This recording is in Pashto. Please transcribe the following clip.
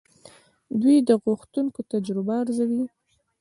دوی د غوښتونکو تجربه ارزوي.